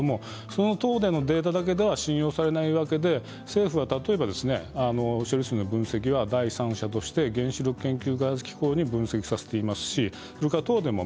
東電のデータだけでは信用されないわけで政府は例えば、処理水の分析は第三者として原子力研究開発機構に分析させています。